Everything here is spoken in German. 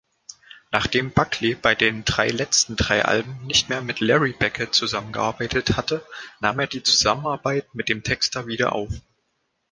Nachdem Buckley bei den drei letzten drei Alben nicht mehr mit Larry Beckett zusammengearbeitet hatte, nahm er die Zusammenarbeit mit dem Texter wieder auf.